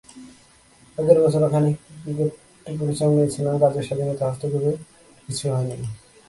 আগেও বছর খানেক ক্রিকেট পরিচালনায় ছিলাম, কাজের স্বাধীনতায় হস্তক্ষেপের কিছু হয়নি।